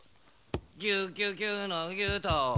ギュギュギュのギュと。